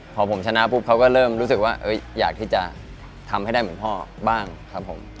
พอผมชนะปุ๊บเขาก็เริ่มรู้สึกว่าอยากที่จะทำให้ได้เหมือนพ่อบ้างครับผม